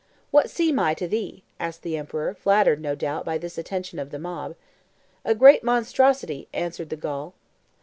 "What seem I to thee?" asked the emperor, flattered, no doubt, by this attention of the mob. "A great monstrosity," answered the Gaul.